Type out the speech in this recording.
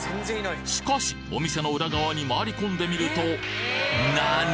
しかしお店の裏側に回り込んでみると何！？